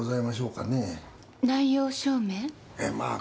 ええまあ